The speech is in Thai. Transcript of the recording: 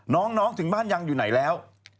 น้องถึงบ้านยังอยู่ไหนแล้ว